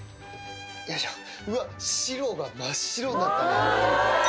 よいしょ、うわっ、白が真っ白になったね。